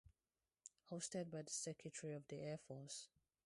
Hosted by the Secretary of the Air Force.